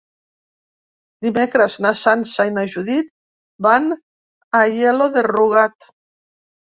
Dimecres na Sança i na Judit van a Aielo de Rugat.